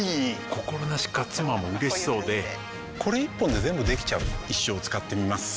心なしか妻も嬉しそうでこれ一本で全部できちゃう一生使ってみます一生？